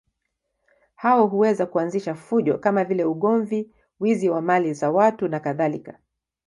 Hao huweza kuanzisha fujo kama vile ugomvi, wizi wa mali za watu nakadhalika.